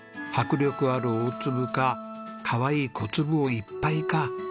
迫力ある大粒かかわいい小粒をいっぱいか。